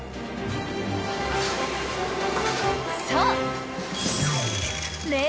［そう］